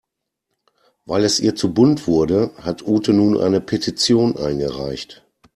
Weil es ihr zu bunt wurde, hat Ute nun eine Petition eingereicht.